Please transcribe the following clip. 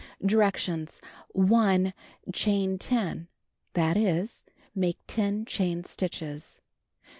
Directions : L Chain 10; that is, make 10 chain stitches.